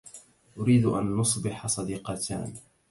أريد أن نصبح صديقتان.